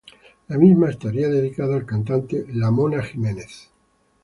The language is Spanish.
La misma estaría dedicada al cantante La Mona Jimenez.